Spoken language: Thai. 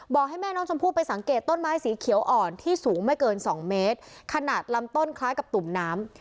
ให้แม่น้องชมพู่ไปสังเกตต้นไม้สีเขียวอ่อนที่สูงไม่เกินสองเมตรขนาดลำต้นคล้ายกับตุ่มน้ำ